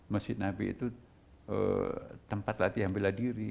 masjid nabi itu tempat latihan bela diri